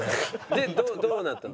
でどうなったの？